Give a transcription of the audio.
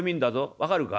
分かるか？」。